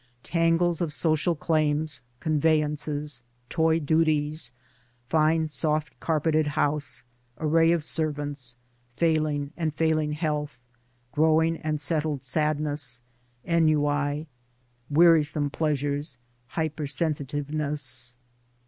Tangles of social claims, convenances, toy duties, fine soft carpeted house, array of servants, failing and failing health, growing and settled sadness, ennui, wearisome plea sures, hyper sensitiveness.